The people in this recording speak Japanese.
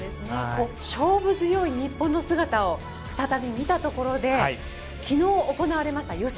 勝負強い日本の強さを再び見たところで昨日行われた予選